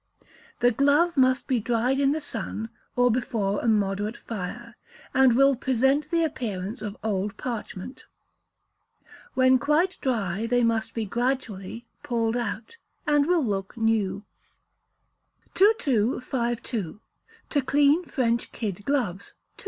The glove must be dried in the sun, or before a moderate fire, and will present the appearance of old parchment. When quite dry, they must be gradually "pulled out," and will look new. 2252. To Clean French Kid Gloves (2).